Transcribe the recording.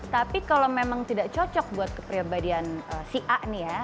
tapi kalau memang tidak cocok buat kepribadian si a nih ya